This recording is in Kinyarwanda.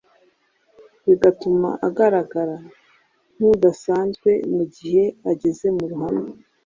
bigatuma agaragara nk’udasanzwe mu gihe ageze mu ruhame,